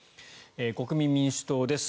国民民主党です。